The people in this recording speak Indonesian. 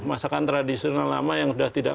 masakan tradisional lama yang sudah tidak